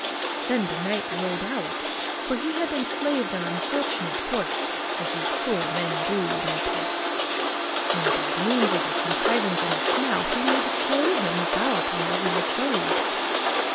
Then the knight rode out for he had enslaved an unfortunate horse, as these cruel men do, my pets, and by means of a contrivance in its mouth, he made it carry him about wherever he chose.